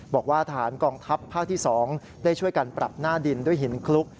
บอกว่าทหารกองทัพภาคที่๒ได้ช่วยกันปรับหน้าดินด้วยหินคลุก